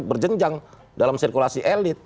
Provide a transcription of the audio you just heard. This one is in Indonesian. berjenjang dalam sirkulasi elit